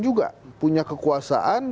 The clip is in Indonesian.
juga punya kekuasaan